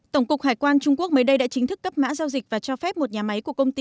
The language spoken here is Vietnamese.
tổng cục hải quan trung quốc mới đây đã chính thức cấp mã giao dịch và cho phép một nhà máy của công ty